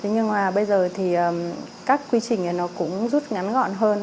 nhưng mà bây giờ thì các quy trình này nó cũng rút ngắn gọn hơn